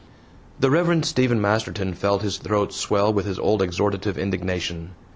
The Rev. Stephen Masterton felt his throat swell with his old exhortative indignation.